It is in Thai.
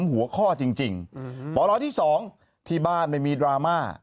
หัวข้อจริงปลที่๒ที่บ้านไม่มีดราม่า